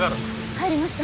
入りました！